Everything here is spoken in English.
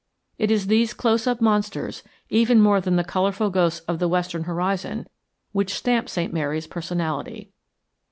It is these close up monsters even more than the colorful ghosts of the Western horizon which stamp St. Mary's personality.